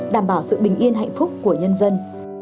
đảm bảo sự bình yên hạnh phúc của nhân dân